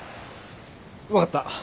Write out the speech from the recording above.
分かった。